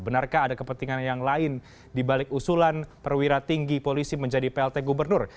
benarkah ada kepentingan yang lain dibalik usulan perwira tinggi polisi menjadi plt gubernur